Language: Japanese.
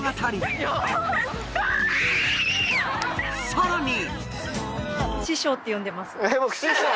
［さらに］